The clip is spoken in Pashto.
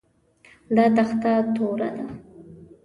دا تخته توره ده